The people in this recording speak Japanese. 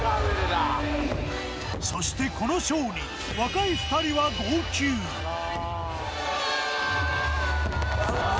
そしてこのショーに若い２人は号泣うわぁ！